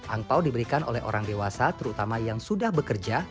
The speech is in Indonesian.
angpau diberikan oleh orang dewasa terutama yang sudah bekerja